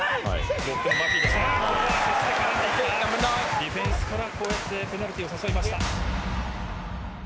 ディフェンスからこうやってペナルティを誘いました。